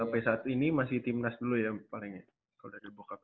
sampai saat ini masih timnas dulu ya palingnya kalo dari bokapnya